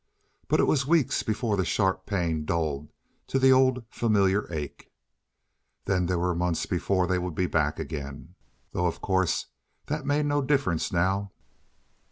But it was weeks before the sharp pain dulled to the old familiar ache. Then there were months before they would be back again, though, of course, that made no difference now.